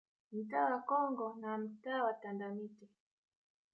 Mtaa wa Congo na mtaa wa Tandamti